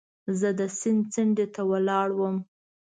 زه د سیند څنډې ته ولاړ وم.